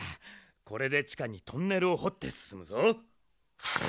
これでちかにトンネルをほってすすむぞ。